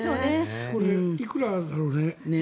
これいくらだろうね。